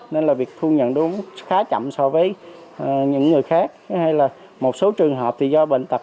nên là việc thu nhận đúng khá chậm so với những người khác hay là một số trường hợp thì do bệnh tật